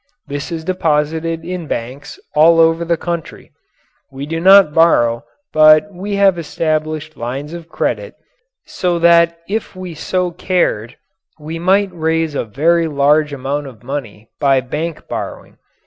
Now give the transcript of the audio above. This is deposited in banks all over the country, we do not borrow but we have established lines of credit, so that if we so cared we might raise a very large amount of money by bank borrowing.